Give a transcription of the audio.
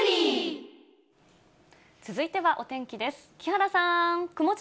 続いてはお天気です。